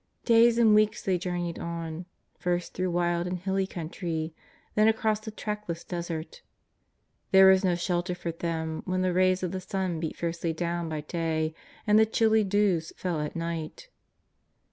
Days and weeks they journeyed on, first through wild and hilly country, then across the trackless desert. There was no shelter for them when the rays of the sun beat fiercely down by day and the chilly dews fell at night.